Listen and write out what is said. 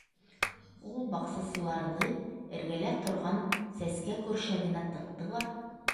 Ул баҡсасыларҙы эргәлә торған сәскә көршәгенә тыҡты ла